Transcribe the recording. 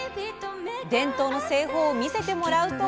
伝統の製法を見せてもらうと。